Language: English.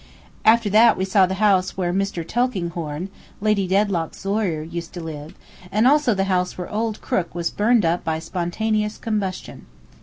After that we saw the house where Mr. Tulkinghorn, Lady Dedlock's lawyer, used to live, and also the house where old Krook was burned up by spontaneous combustion.